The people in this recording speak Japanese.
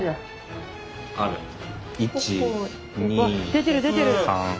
出てる出てる。